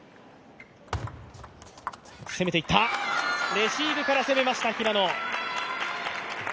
レシーブから攻めました、平野。